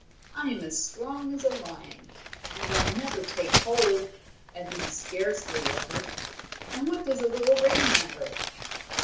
I am as strong as a lion, and I never take cold at least, scarcely ever. And what does a little rain matter?"